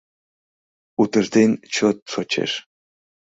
Утыжден чот шочеш!..